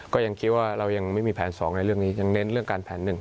ก็ยังคิดว่าเรายังไม่มีแผนสองในเรื่องนี้ยังเน้นเรื่องการแผนหนึ่ง